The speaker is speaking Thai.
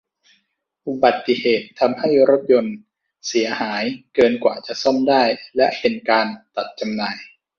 อุบัติเหตุทำให้รถยนต์เสียหายเกินกว่าจะซ่อมได้และเป็นการตัดจำหน่าย